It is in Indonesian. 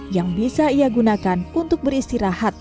yang bisa ia gunakan untuk beristirahat